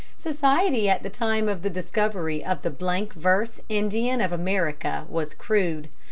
Society at the time of the discovery of the blank verse Indian of America was crude.